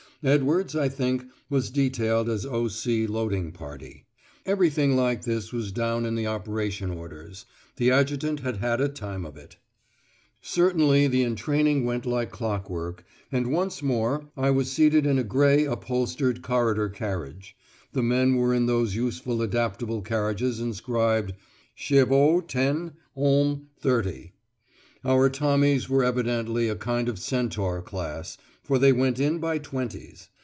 Edwards, I think, was detailed as O.C. loading party. Everything like this was down in the operation orders. The adjutant had had a time of it. Certainly the entraining went like clockwork, and once more I was seated in a grey upholstered corridor carriage; the men were in those useful adaptable carriages inscribed "Chevaux 10. Hommes 30." Our Tommies were evidently a kind of centaur class, for they went in by twenties.